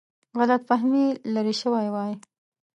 غلط فهمي لیرې شوې وای.